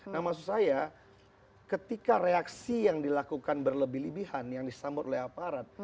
nah maksud saya ketika reaksi yang dilakukan berlebih lebihan yang disambut oleh aparat